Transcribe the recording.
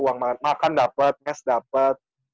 eh uang makan dapet mes dapet